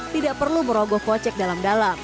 tidak perlu merogoh kocek dalam dalam